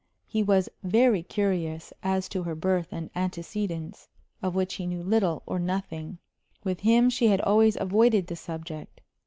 He was very curious as to her birth and antecedents, of which he knew little or nothing; with him she had always avoided the subject.